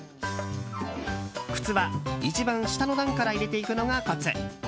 靴は一番下の段から入れていくのがコツ。